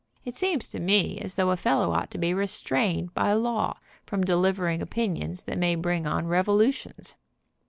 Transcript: Just seems to me as though a fellow ought to be restrained by law from delivering opinions that may bring on revolutions."